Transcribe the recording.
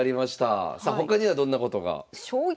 さあ他にはどんなことが。